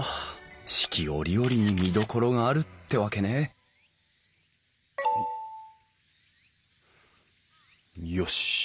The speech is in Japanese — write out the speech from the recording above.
四季折々に見どころがあるってわけねよし。